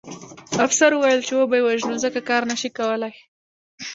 افسر وویل چې وبه یې وژنو ځکه کار نه شي کولی